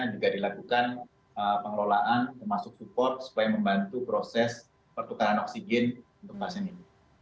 juga dilakukan pengelolaan termasuk support supaya membantu proses pertukaran oksigen untuk pasien ini